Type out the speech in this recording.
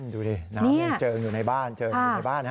ดูดิน้ำนี้เจออยู่ในบ้านครับ